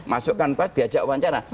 masukkan pas diajak wawancara